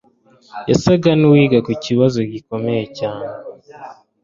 Yasaga n'uwiga ku kibazo gikomeye cyane